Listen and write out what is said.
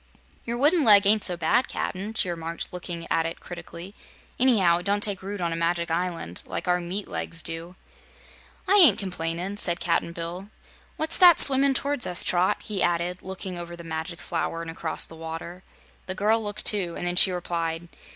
"Your wooden leg ain't so bad, Cap'n," she remarked, looking at it critically. "Anyhow, it don't take root on a Magic Island, like our meat legs do." "I ain't complainin'," said Cap'n Bill. "What's that swimmin' towards us, Trot?" he added, looking over the Magic Flower and across the water. The girl looked, too, and then she replied.